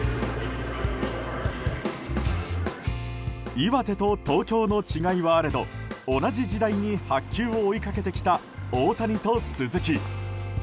岩手と東京の違いはあれど同じ時代に白球を追いかけてきた大谷と鈴木。